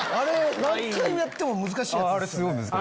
何回やっても難しいやつですよね。